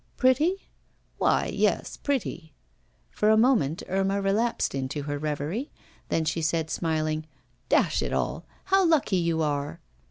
'Pretty?' 'Why, yes, pretty.' For a moment Irma relapsed into her reverie, then she said, smiling: 'Dash it all! How lucky you are!